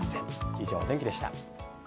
以上、お天気でした。